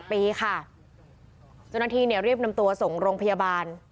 ปีค่ะจนทีเนี่ยเรียบนำตัวส่งโรงพยาบาล